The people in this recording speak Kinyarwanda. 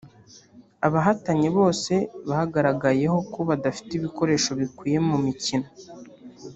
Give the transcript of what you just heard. Abahatanye bose bagaragayeho ko badafite ibikoresho bikwiye mu mikino